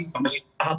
tahapnya masih lama